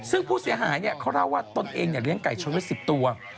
ซึ่งผู้เสียหายเขาเล่าว่าตนเองเลี้ยงไก่ชนไว้๑๐ตัว